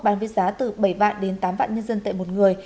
bán viết giá từ bảy vạn đến tám vạn nhân dân tại một người